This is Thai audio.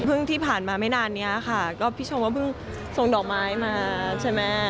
ที่ผ่านมาไม่นานนี้ค่ะก็พี่ชมก็เพิ่งส่งดอกไม้มาใช่ไหม